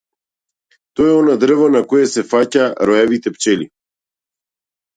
Таа е она дрво на кое се фаќаа роевите пчели.